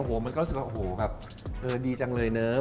โอ้โหมันก็รู้สึกว่าโอ้โหแบบเออดีจังเลยเนอะ